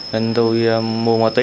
nên tôi mua ma túy